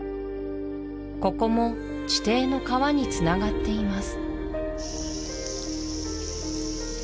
ここも地底の川につながっています